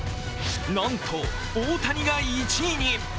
なんと大谷が１位に！